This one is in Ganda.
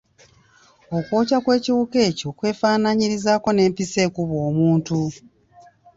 Okwokya kw'ekiwuka ekyo kwefaanaanyirizaako n'empiso ekubwa omuntu.